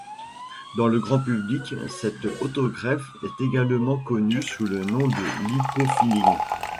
Dans le grand public, cette autogreffe est également connue sous le nom de lipofilling.